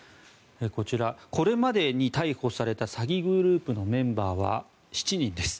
こちら、これまでに逮捕された詐欺グループのメンバーは７人です。